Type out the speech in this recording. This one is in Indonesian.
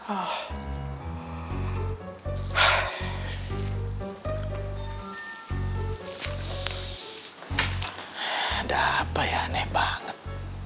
ada apa ya aneh banget